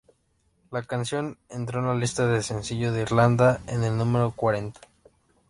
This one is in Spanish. La canción entró en la lista de sencillos de Irlanda en el número cuarenta.